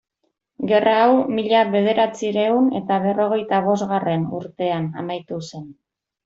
Gerra hau mila bederatziehun eta berrogeita bosgarren urtean amaitu zen.